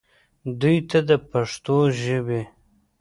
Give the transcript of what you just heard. دوي ته د پښتو ژبې